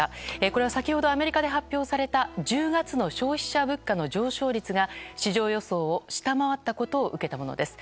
これは先ほどアメリカで発表された１０月の消費者物価の上昇率が市場予想を下回ったことを受けたものです。